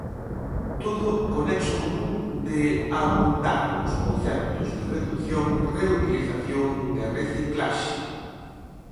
Todo co nexo común de "abundar nos conceptos de redución, reutilización e reciclaxe".